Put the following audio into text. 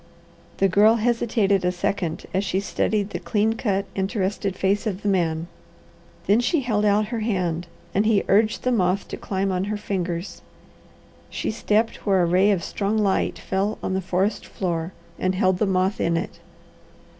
The Girl hesitated a second as she studied the clean cut, interested face of the man; then she held out her hand, and he urged the moth to climb on her fingers. She stepped where a ray of strong light fell on the forest floor and held the moth in it.